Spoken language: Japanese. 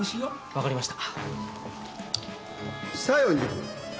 分かりました。